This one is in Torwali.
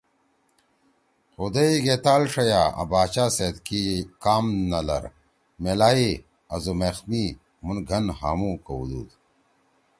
خُدئی گے تال ݜَیَا آں باچا سیت کی کام نہ لر، میلائی آزُومیخ می مُھون گھن ہامُو کؤدُود